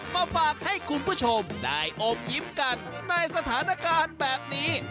มาฝากให้คุณผู้ชมได้อมยิ้มกันในสถานการณ์แบบนี้